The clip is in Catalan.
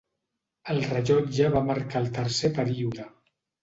El rellotge va marcar el tercer període.